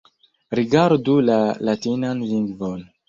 Rigardu la latinan lingvon.